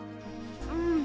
うん。